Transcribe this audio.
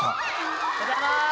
おはようございます。